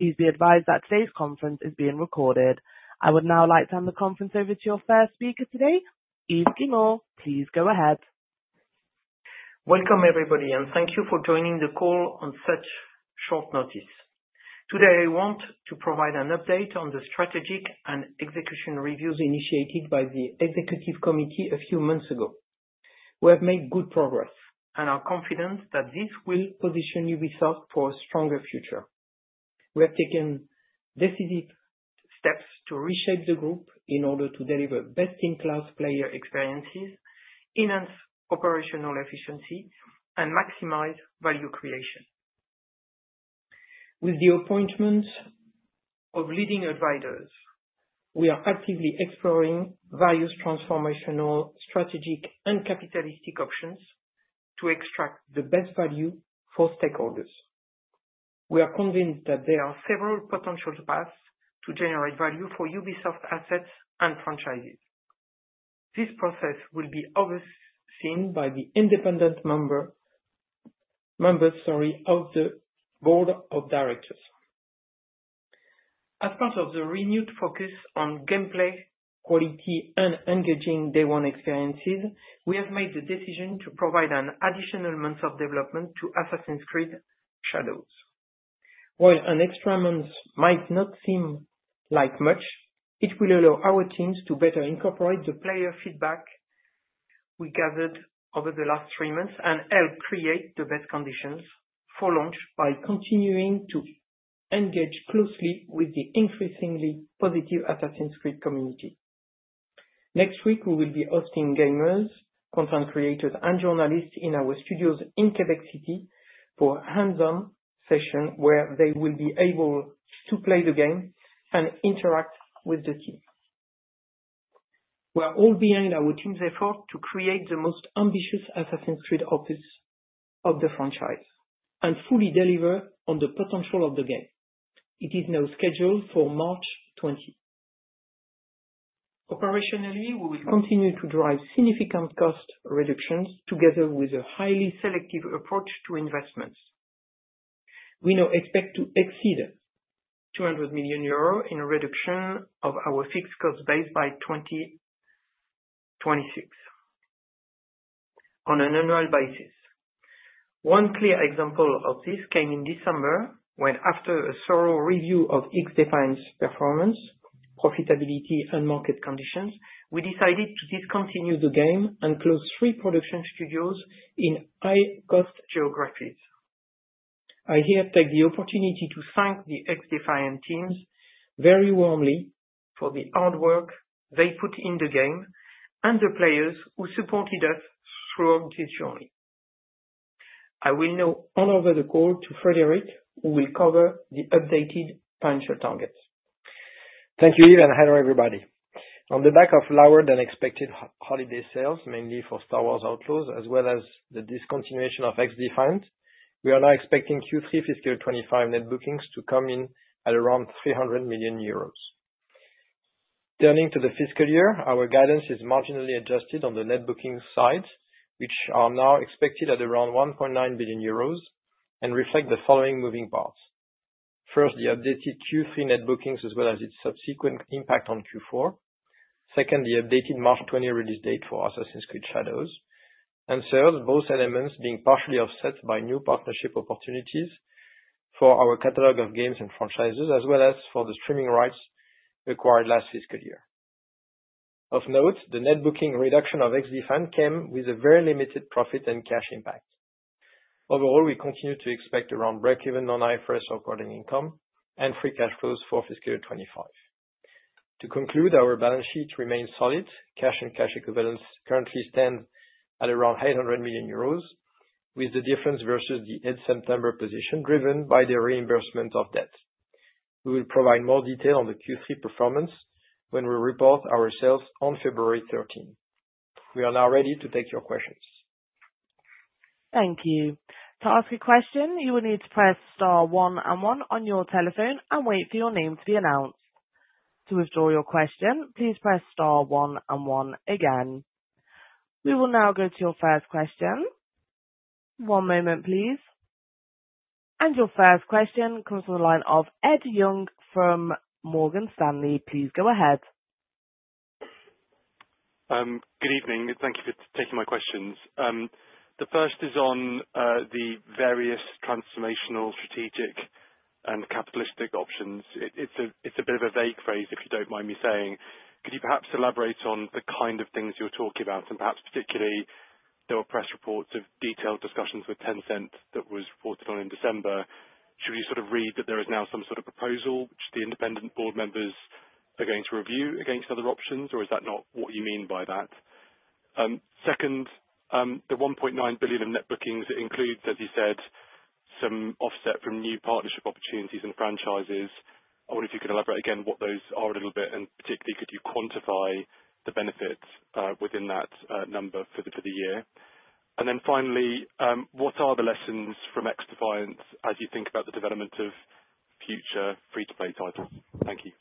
Please be advised that today's conference is being recorded. I would now like to hand the conference over to your first speaker today, Yves Guillemot. Please go ahead. Welcome, everybody, and thank you for joining the call on such short notice. Today, I want to provide an update on the strategic and execution reviews initiated by the executive committee a few months ago. We have made good progress and are confident that this will position Ubisoft for a stronger future. We have taken decisive steps to reshape the group in order to deliver best-in-class player experiences, enhance operational efficiency, and maximize value creation. With the appointment of leading advisors, we are actively exploring various transformational, strategic, and capital options to extract the best value for stakeholders. We are convinced that there are several potential paths to generate value for Ubisoft assets and franchises. This process will be overseen by the independent members of the board of directors. As part of the renewed focus on gameplay quality and engaging day-one experiences, we have made the decision to provide an additional month of development to Assassin's Creed: Shadows. While an extra month might not seem like much, it will allow our teams to better incorporate the player feedback we gathered over the last three months and help create the best conditions for launch by continuing to engage closely with the increasingly positive Assassin's Creed community. Next week, we will be hosting gamers, content creators, and journalists in our studios in Quebec City for a hands-on session where they will be able to play the game and interact with the team. We are all behind our team's effort to create the most ambitious Assassin's Creed in the franchise and fully deliver on the potential of the game. It is now scheduled for March 20. Operationally, we will continue to drive significant cost reductions together with a highly selective approach to investments. We now expect to exceed 200 million euro in reduction of our fixed cost base by 2026 on an annual basis. One clear example of this came in December when, after a thorough review of XDefiant's performance, profitability, and market conditions, we decided to discontinue the game and close three production studios in high-cost geographies. I here take the opportunity to thank the XDefiant teams very warmly for the hard work they put in the game and the players who supported us throughout this journey. I will now hand over the call to Frédérick, who will cover the updated financial targets. Thank you, Yves, and hello, everybody. On the back of lower-than-expected holiday sales, mainly for Star Wars Outlaws, as well as the discontinuation of XDefiant, we are now expecting Q3 fiscal 25 net bookings to come in at around 300 million euros. Turning to the fiscal year, our guidance is marginally adjusted on the net booking side, which are now expected at around 1.9 billion euros and reflect the following moving parts. First, the updated Q3 net bookings, as well as its subsequent impact on Q4. Second, the updated March 20 release date for Assassin's Creed: Shadows. And third, both elements being partially offset by new partnership opportunities for our catalog of games and franchises, as well as for the streaming rights acquired last fiscal year. Of note, the net booking reduction of XDefiant came with a very limited profit and cash impact. Overall, we continue to expect around break-even non-IFRS operating income and free cash flows for fiscal 2025. To conclude, our balance sheet remains solid. Cash and cash equivalents currently stand at around 800 million euros, with the difference versus the end-September position driven by the repayment of debt. We will provide more detail on the Q3 performance when we report our sales on February 13. We are now ready to take your questions. Thank you. To ask a question, you will need to press star one and one on your telephone and wait for your name to be announced. To withdraw your question, please press star one and one again. We will now go to your first question. One moment, please, and your first question comes from the line of Ed Young from Morgan Stanley. Please go ahead. Good evening. Thank you for taking my questions. The first is on the various transformational, strategic, and capitalistic options. It's a bit of a vague phrase, if you don't mind me saying. Could you perhaps elaborate on the kind of things you're talking about? And perhaps particularly, there were press reports of detailed discussions with Tencent that was reported on in December. Should we sort of read that there is now some sort of proposal which the independent board members are going to review against other options, or is that not what you mean by that? Second, the 1.9 billion of net bookings includes, as you said, some offset from new partnership opportunities and franchises. I wonder if you could elaborate again what those are a little bit, and particularly, could you quantify the benefits within that number for the year? Finally, what are the lessons from XDefiant as you think about the development of future free-to-play titles? Thank you.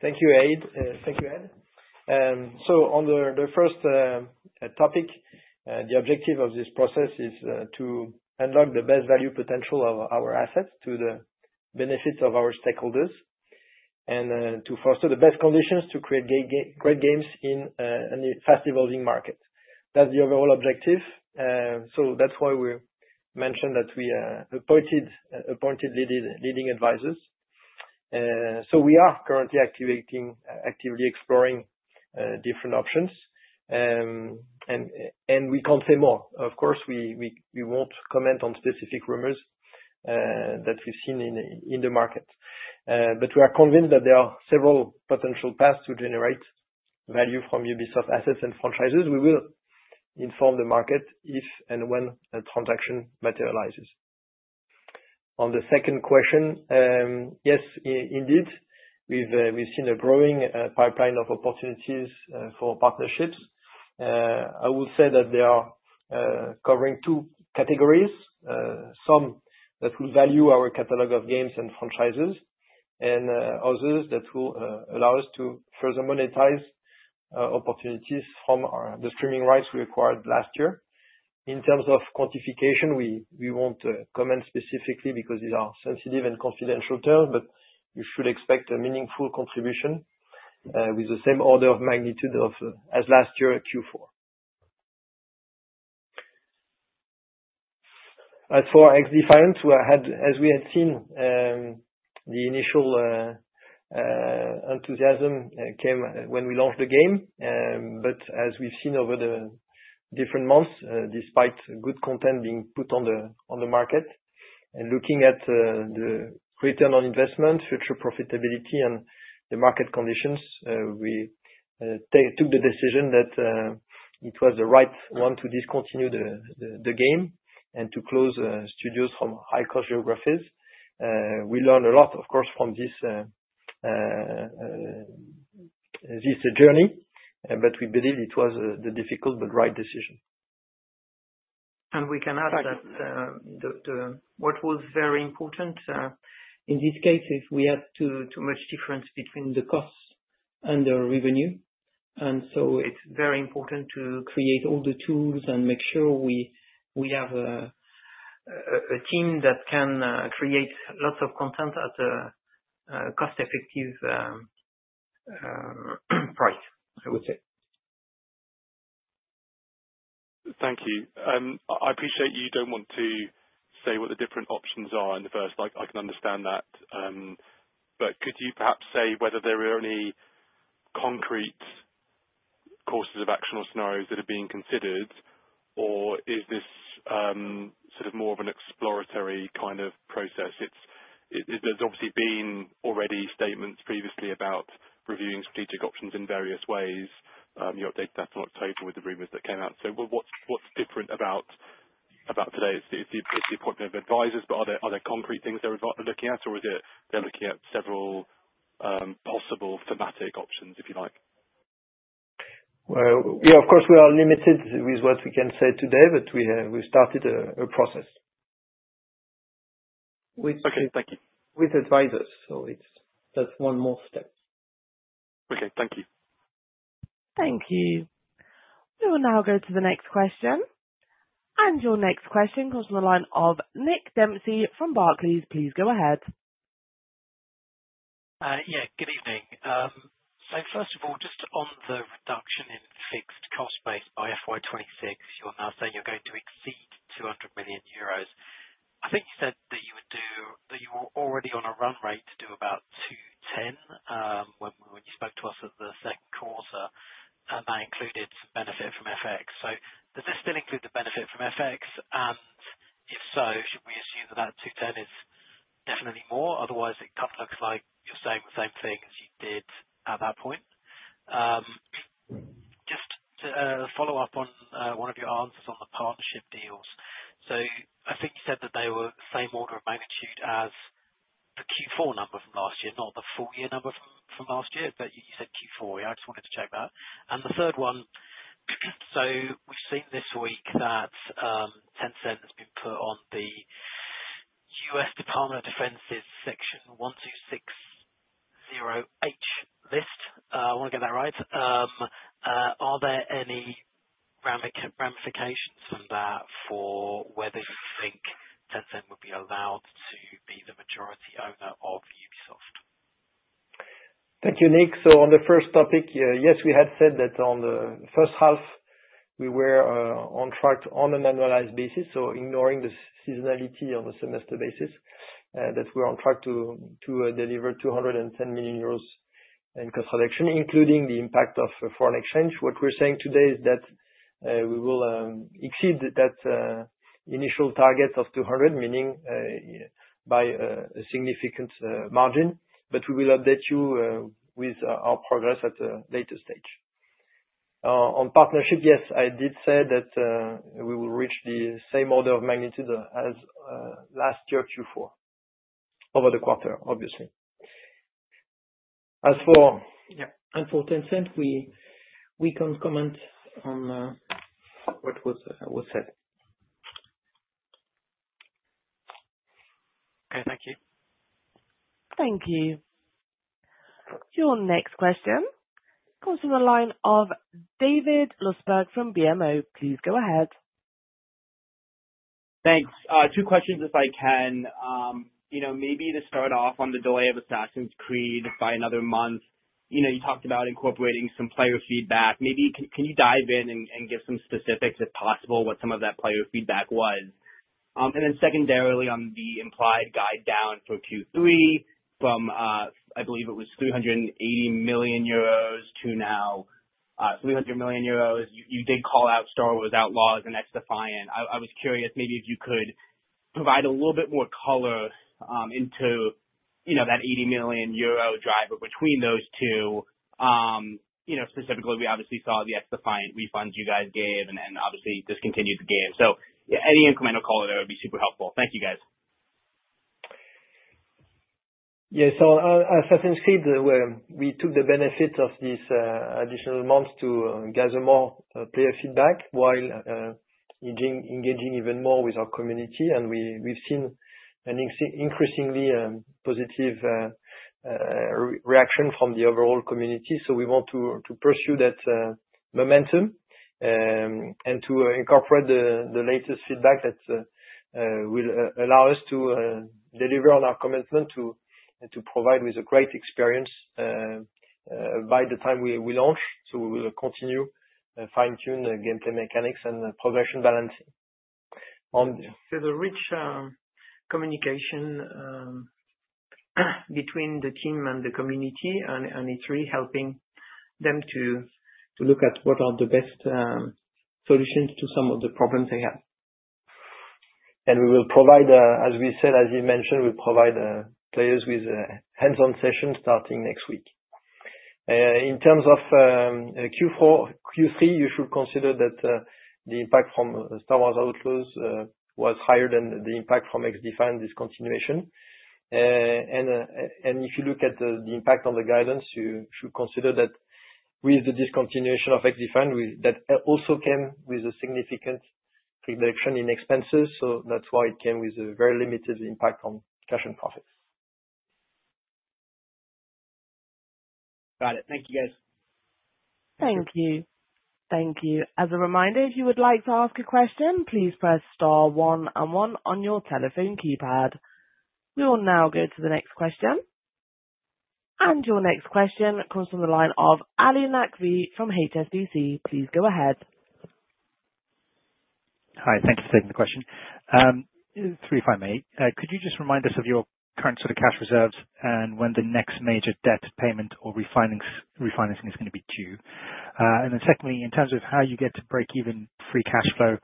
Thank you, Ed. So on the first topic, the objective of this process is to unlock the best value potential of our assets to the benefit of our stakeholders and to foster the best conditions to create great games in a fast-evolving market. That's the overall objective. So that's why we mentioned that we appointed leading advisors. So we are currently actively exploring different options, and we can't say more. Of course, we won't comment on specific rumors that we've seen in the market. But we are convinced that there are several potential paths to generate value from Ubisoft assets and franchises. We will inform the market if and when a transaction materializes. On the second question, yes, indeed, we've seen a growing pipeline of opportunities for partnerships. I will say that they are covering two categories: some that will value our catalog of games and franchises, and others that will allow us to further monetize opportunities from the streaming rights we acquired last year. In terms of quantification, we won't comment specifically because these are sensitive and confidential terms, but you should expect a meaningful contribution with the same order of magnitude as last year at Q4. As for XDefiant, as we had seen, the initial enthusiasm came when we launched the game. But as we've seen over the different months, despite good content being put on the market and looking at the return on investment, future profitability, and the market conditions, we took the decision that it was the right one to discontinue the game and to close studios from high-cost geographies. We learned a lot, of course, from this journey, but we believe it was the difficult but right decision. We can add that what was very important in this case is we had too much difference between the costs and the revenue. It's very important to create all the tools and make sure we have a team that can create lots of content at a cost-effective price, I would say. Thank you. I appreciate you don't want to say what the different options are in the first. I can understand that, but could you perhaps say whether there are any concrete courses of action or scenarios that are being considered, or is this sort of more of an exploratory kind of process? There's obviously been already statements previously about reviewing strategic options in various ways. You updated that in October with the rumors that came out, so what's different about today? It's the appointment of advisors, but are there concrete things they're looking at, or are they looking at several possible thematic options, if you like? Well, yeah, of course, we are limited with what we can say today, but we've started a process. With. Okay. Thank you. With advisors. So that's one more step. Okay. Thank you. Thank you. We will now go to the next question, and your next question comes from the line of Nick Dempsey from Barclays. Please go ahead. Yeah. Good evening. So first of all, just on the reduction in fixed cost base by FY26, you're now saying you're going to exceed 200 million euros. I think you said that you were already on a run rate to do about 210 when you spoke to us at the second quarter, and that included some benefit from FX. So does this still include the benefit from FX? And if so, should we assume that that 210 is definitely more? Otherwise, it kind of looks like you're saying the same thing as you did at that point. Just to follow up on one of your answers on the partnership deals. So I think you said that they were the same order of magnitude as the Q4 number from last year, not the full year number from last year, but you said Q4. Yeah, I just wanted to check that. The third one, so we've seen this week that Tencent has been put on the U.S. Department of Defense's Section 1260H list. I want to get that right. Are there any ramifications from that for whether you think Tencent would be allowed to be the majority owner of Ubisoft? Thank you, Nick. So on the first topic, yes, we had said that on the first half, we were on track on an annualized basis, so ignoring the seasonality on a semester basis, that we're on track to deliver €210 million in cost reduction, including the impact of foreign exchange. What we're saying today is that we will exceed that initial target of 200, meaning by a significant margin, but we will update you with our progress at a later stage. On partnership, yes, I did say that we will reach the same order of magnitude as last year, Q4, over the quarter, obviously. As for. Yeah, and for Tencent, we can't comment on what was said. Okay. Thank you. Thank you. Your next question comes from the line of David Lustberg from BMO. Please go ahead. Thanks. Two questions, if I can. Maybe to start off on the delay of Assassin's Creed by another month, you talked about incorporating some player feedback. Can you dive in and give some specifics, if possible, what some of that player feedback was? And then secondarily, on the implied guide down for Q3 from, I believe it was 380 million euros to now 300 million euros, you did call out Star Wars Outlaws and XDefiant. I was curious maybe if you could provide a little bit more color into that EUR 80 million driver between those two. Specifically, we obviously saw the XDefiant refunds you guys gave and obviously discontinued the game. So any incremental color there would be super helpful. Thank you, guys. Yeah. So on Assassin's Creed, we took the benefit of this additional month to gather more player feedback while engaging even more with our community. And we've seen an increasingly positive reaction from the overall community. So we want to pursue that momentum and to incorporate the latest feedback that will allow us to deliver on our commitment to provide with a great experience by the time we launch. So we will continue to fine-tune gameplay mechanics and progression balancing. The rich communication between the team and the community, and it's really helping them to look at what are the best solutions to some of the problems they have. We will provide, as we said, as you mentioned, we'll provide players with hands-on sessions starting next week. In terms of Q3, you should consider that the impact from Star Wars Outlaws was higher than the impact from XDefiant discontinuation. If you look at the impact on the guidance, you should consider that with the discontinuation of XDefiant, that also came with a significant reduction in expenses. That's why it came with a very limited impact on cash and profits. Got it. Thank you, guys. Thank you. Thank you. As a reminder, if you would like to ask a question, please press star one and one on your telephone keypad. We will now go to the next question. And your next question comes from the line of Ali Naqvi from HSBC. Please go ahead. Hi. Thank you for taking the question. Three, if I may. Could you just remind us of your current sort of cash reserves and when the next major debt payment or refinancing is going to be due? And then secondly, in terms of how you get to break even free cash flow,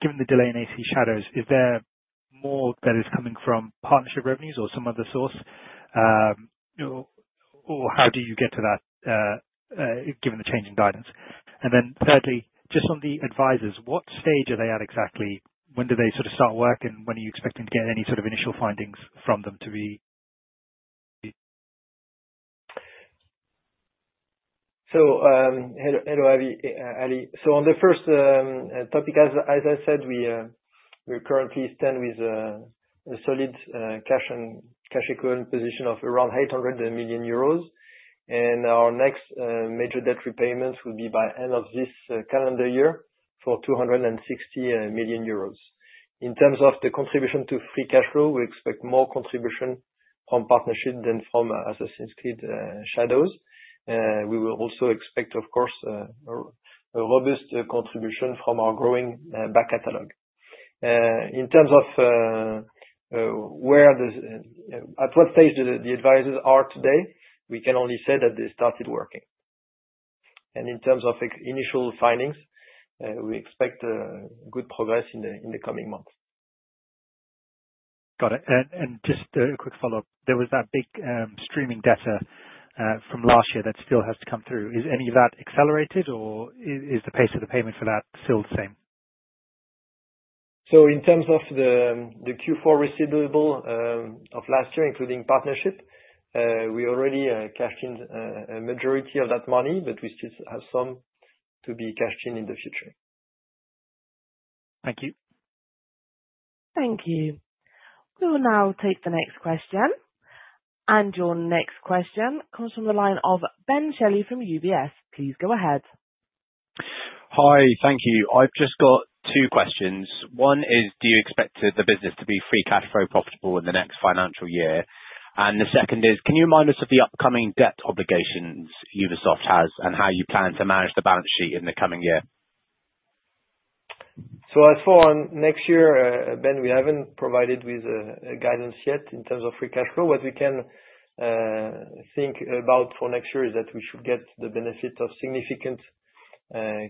given the delay in AC Shadows, is there more that is coming from partnership revenues or some other source? Or how do you get to that, given the change in guidance? And then thirdly, just on the advisors, what stage are they at exactly? When do they sort of start work, and when are you expecting to get any sort of initial findings from them to be? Hello, Ali. On the first topic, as I said, we currently stand with a solid cash and cash equivalent position of around 800 million euros. Our next major debt repayments will be by end of this calendar year for 260 million euros. In terms of the contribution to free cash flow, we expect more contribution from partnership than from Assassin's Creed Shadows. We will also expect, of course, a robust contribution from our growing back catalog. In terms of at what stage the advisors are today, we can only say that they started working. In terms of initial findings, we expect good progress in the coming months. Got it. And just a quick follow-up. There was that big streaming data from last year that still has to come through. Is any of that accelerated, or is the pace of the payment for that still the same? So in terms of the Q4 receivable of last year, including partnership, we already cashed in a majority of that money, but we still have some to be cashed in in the future. Thank you. Thank you. We will now take the next question. And your next question comes from the line of Ben Shelley from UBS. Please go ahead. Hi. Thank you. I've just got two questions. One is, do you expect the business to be free cash flow profitable in the next financial year? And the second is, can you remind us of the upcoming debt obligations Ubisoft has and how you plan to manage the balance sheet in the coming year? So as for next year, Ben, we haven't provided with guidance yet in terms of free cash flow. What we can think about for next year is that we should get the benefit of significant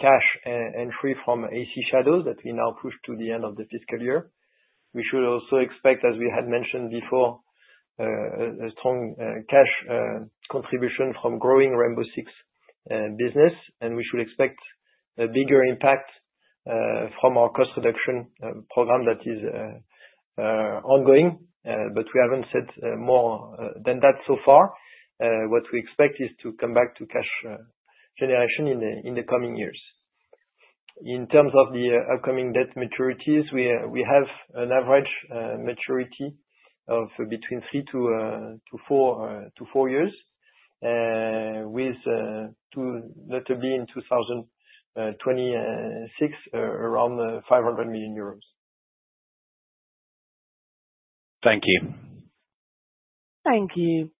cash entry from AC Shadows that we now push to the end of the fiscal year. We should also expect, as we had mentioned before, a strong cash contribution from growing Rainbow Six business. And we should expect a bigger impact from our cost reduction program that is ongoing, but we haven't said more than that so far. What we expect is to come back to cash generation in the coming years. In terms of the upcoming debt maturities, we have an average maturity of between three to four years with notably in 2026 around EUR 500 million. Thank you. Thank you.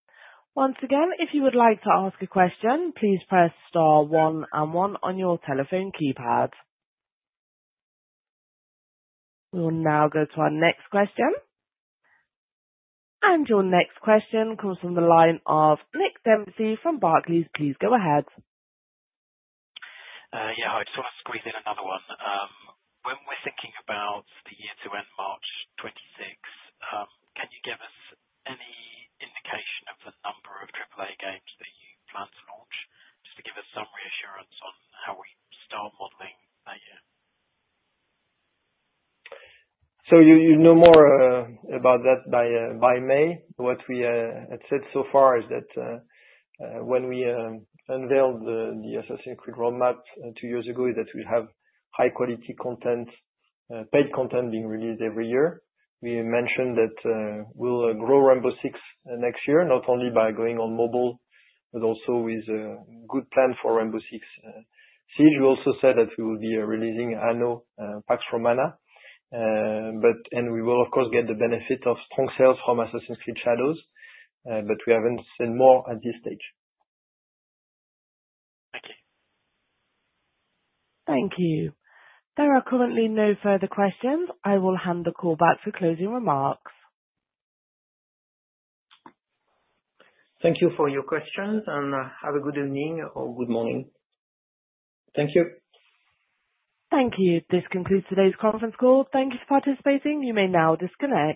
Once again, if you would like to ask a question, please press star one and one on your telephone keypad. We will now go to our next question, and your next question comes from the line of Nick Dempsey from Barclays. Please go ahead. Yeah. Hi. So I'll squeeze in another one. When we're thinking about the year to end March 2026, can you give us any indication of the number of AAA games that you plan to launch just to give us some reassurance on how we start modeling that year? So you know more about that by May. What we had said so far is that when we unveiled the Assassin's Creed roadmap two years ago, is that we'll have high-quality content, paid content being released every year. We mentioned that we'll grow Rainbow Six next year, not only by going on mobile, but also with a good plan for Rainbow Six Siege. We also said that we will be releasing annual packs from Anno. And we will, of course, get the benefit of strong sales from Assassin's Creed Shadows, but we haven't said more at this stage. Thank you. Thank you. There are currently no further questions. I will hand the call back for closing remarks. Thank you for your questions, and have a good evening or good morning. Thank you. Thank you. This concludes today's conference call. Thank you for participating. You may now disconnect.